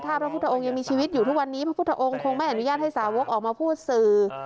ถ้าพระพุทธองค์ยังมีชีวิตอยู่ทุกวันนี้พระพุทธองค์คงไม่อนุญาตให้สาวกออกมาพูดสื่อ